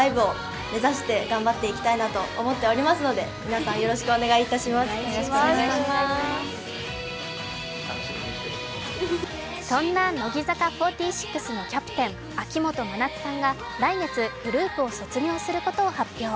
更に、グループとしての目標を聞かれるとそんな乃木坂４６のキャプテン、秋元真夏さんが来月、グループを卒業することを発表。